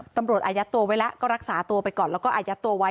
อายัดตัวไว้แล้วก็รักษาตัวไปก่อนแล้วก็อายัดตัวไว้